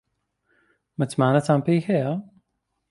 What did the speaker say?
متمانەتان پێی هەیە؟